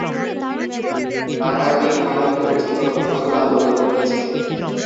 তাঁর কারণেই মহাভারতের বিচিত্র ঘটনাগুলো আবর্তিত হয়েছে।